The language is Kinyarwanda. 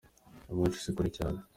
iwacu sikure cyane.